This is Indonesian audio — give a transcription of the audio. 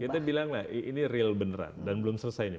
kita bilang lah ini real beneran dan belum sempurna